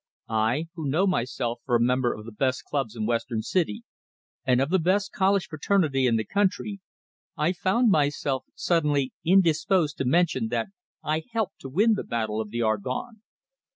I, who know myself for a member of the best clubs in Western City, and of the best college fraternity in the country I found myself suddenly indisposed to mention that I had helped to win the battle of the Argonne.